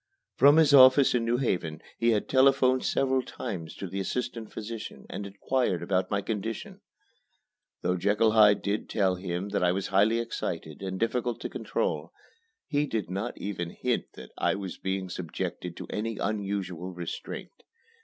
From his office in New Haven he had telephoned several times to the assistant physician and inquired about my condition. Though Jekyll Hyde did tell him that I was highly excited and difficult to control, he did not even hint that I was being subjected to any unusual restraint.